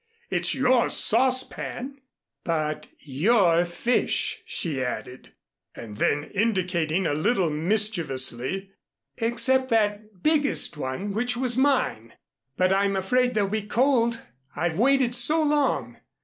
It's your saucepan " "But your fish " she added, and then indicating a little mischievously, "except that biggest one which was mine. But I'm afraid they'll be cold I've waited so long.